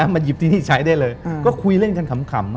มาหยิบที่นี่ใช้ได้ขอคุยเร่งกันข่ำ